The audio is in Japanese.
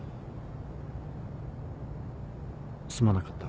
すまなかった。